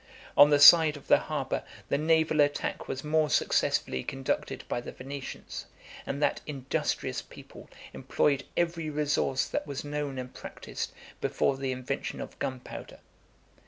On the side of the harbor the naval attack was more successfully conducted by the Venetians; and that industrious people employed every resource that was known and practiced before the invention of gunpowder.